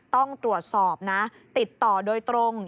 ต้องตรวจสอบนะติดต่อโดยตรง